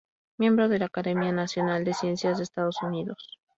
Miembro de la Academia Nacional de Ciencias de Estados Unidos.